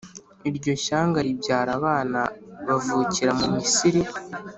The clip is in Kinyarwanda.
iryo shyanga ribyara abana bavukira mu misiri